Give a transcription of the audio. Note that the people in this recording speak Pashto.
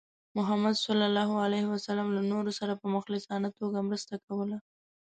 محمد صلى الله عليه وسلم د نورو سره په مخلصانه توګه مرسته کوله.